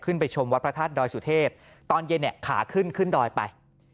ไปชมวัดพระธาตุดอยสุเทพตอนเย็นเนี่ยขาขึ้นขึ้นดอยไป